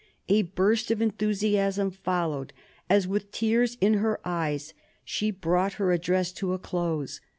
A burst of en thusiasm followed as, with tears in her eyes, she brought her address to a close.